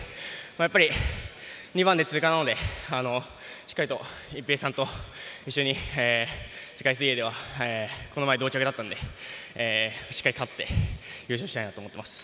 ２番で通過なのでしっかりと一平さんと一緒に世界水泳ではこの前は同着だったのでしっかり勝って優勝したいなと思っています。